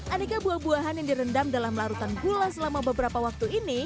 aneka buah buahan yang direndam dalam larutan gula selama beberapa waktu ini